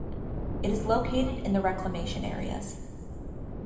It is located in the reclamation areas.